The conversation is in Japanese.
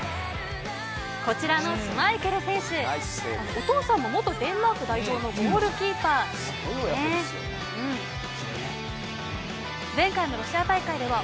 こちらのシュマイケル選手お父さんも元デンマーク代表のゴールキーパーなんです。